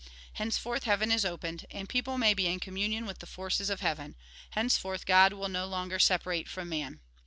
Henceforth heaven is opened, and people may be in communion with the forces of heaven. Henceforth God will be no longer separate from men."